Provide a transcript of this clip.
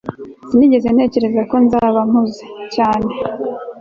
Sinigeze ntekereza ko nzaba mpuze cyane